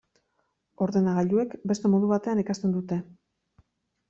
Ordenagailuek beste modu batean ikasten dute.